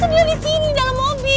tadi kan dia disini dalam mobil